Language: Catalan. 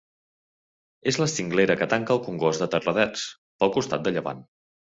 És la cinglera que tanca el Congost de Terradets pel costat de llevant.